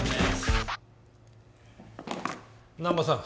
難波さん